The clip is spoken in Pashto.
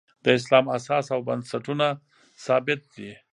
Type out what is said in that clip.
د اسلام اساس او بنسټونه ثابت دي.